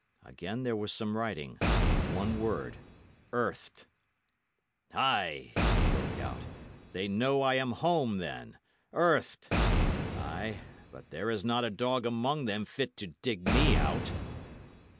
Again there was some writing: one word "Earthed." "Ay," he broke out, "they know I am home, then. Earthed! Ay, but there is not a dog among them fit to dig me out."